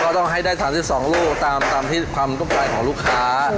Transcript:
เราต้องให้ได้๓๒ลูกตามที่ความกำจัดของลูกค้า